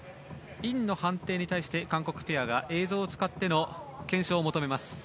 インの判定に対して、韓国ペアが映像を使っての検証を求めます。